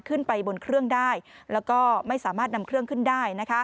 ขึ้นไปบนเครื่องได้แล้วก็ไม่สามารถนำเครื่องขึ้นได้